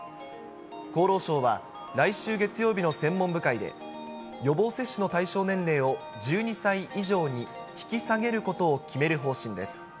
厚労省は来週月曜日の専門部会で、予防接種の対象年齢を１２歳以上に引き下げることを決める方針です。